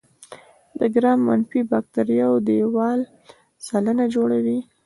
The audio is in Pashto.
د ګرام منفي باکتریاوو دیوال سلنه جوړوي.